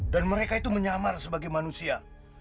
dan mereka itu menyamar sebagai manusia